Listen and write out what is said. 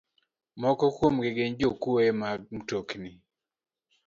Moko kuomgi gin jokwoye mag mtokni,